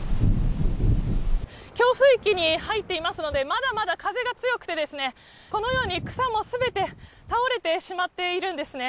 強風域に入っていますので、まだまだ風が強くて、このように草もすべて倒れてしまっているんですね。